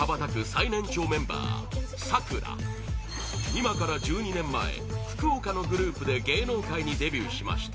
今から１２年前福岡のグループで芸能界にデビューしました